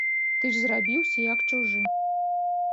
Ты ж зрабіўся, як чужы.